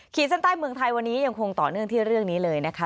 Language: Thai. เส้นใต้เมืองไทยวันนี้ยังคงต่อเนื่องที่เรื่องนี้เลยนะคะ